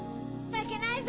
負けないぞ！